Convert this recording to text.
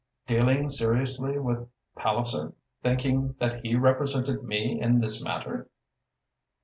"Dealing seriously with Palliser, thinking that he represented me in this matter?"